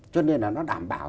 cho nên là nó đảm bảo